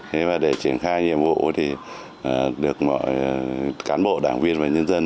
thế và để triển khai nhiệm vụ thì được mọi cán bộ đảng viên và nhân dân